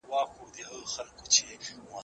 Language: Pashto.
مځکه د بزګر له خوا کرل کيږي!.